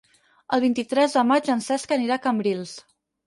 El vint-i-tres de maig en Cesc anirà a Cambrils.